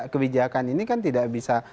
kebijakan ini kan tidak bisa